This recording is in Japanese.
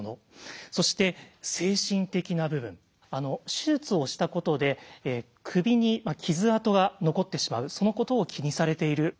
手術をしたことで首に傷痕が残ってしまうそのことを気にされている。